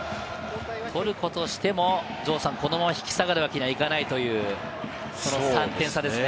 トルコとしても、このまま引き下がるわけにはいかないという３点差ですね。